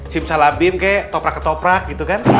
simsalabim kayak toprak ketoprak gitu kan